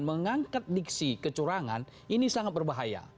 mengangkat diksi kecurangan ini sangat berbahaya